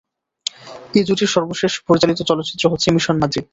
এই জুটির সর্বশেষ পরিচালিত চলচ্চিত্র হচ্ছে "মিশন মাদ্রিদ"।